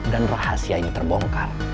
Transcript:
dan rahasia ini terbongkar